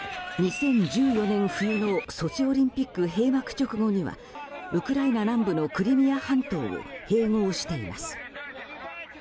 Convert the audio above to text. ２０１４年冬のソチオリンピック閉幕直後にはウクライナ南部のクリミア半島を併合しています。